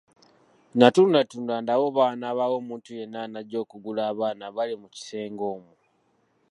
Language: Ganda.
Natunula tunula ndabe oba wanaabaawo omuntu yenna anajja okugula abaana abaali mu kisenge omwo.